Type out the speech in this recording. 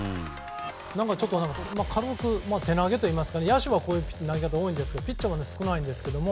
何か軽く手投げといいますか野手は、こういう投げ方が多いんですけどピッチャーは少ないんですけども。